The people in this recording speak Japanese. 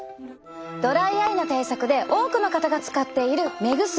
ドライアイの対策で多くの方が使っている目薬。